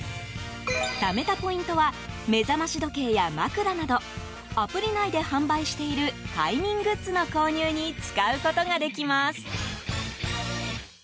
ためたポイントは目覚まし時計や枕などアプリ内で販売している快眠グッズの購入に使うことができます。